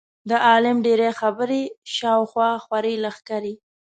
د عالم ډېرې خبرې شا او خوا خورې لښکرې.